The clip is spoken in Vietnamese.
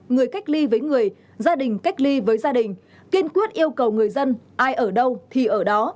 người cách ly với người gia đình cách ly với gia đình kiên quyết yêu cầu người dân ai ở đâu thì ở đó